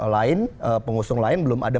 lain pengusung lain belum ada